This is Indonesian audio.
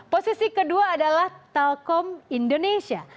posisi ke dua adalah telkom indonesia